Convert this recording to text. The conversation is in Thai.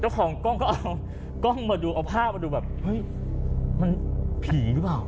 เจ้าของกล้องก็เอากล้องมาดูเอาภาพมาดูแบบเฮ้ยมันผีหรือเปล่า